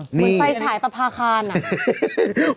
เหมือนไฟฉายประพาคารอ่ะ